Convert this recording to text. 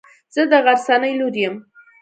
زه د غرڅنۍ لور يم.